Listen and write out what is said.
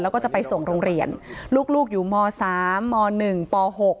แล้วก็จะไปส่งโรงเรียนลูกอยู่ม๓ม๑ป๖